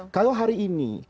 kalau hari ini